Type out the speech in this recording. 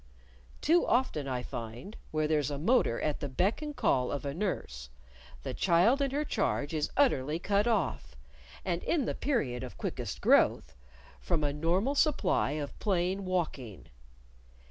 Too often, I find, where there's a motor at the beck and call of a nurse, the child in her charge is utterly cut off and in the period of quickest growth from a normal supply of plain walking.